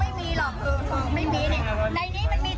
ไม่มีไม่มีพี่มีไม่มีไม่มี